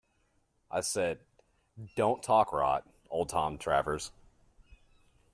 I said, 'Don't talk rot, old Tom Travers.'